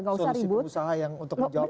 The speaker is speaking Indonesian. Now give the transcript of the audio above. gak usah ribut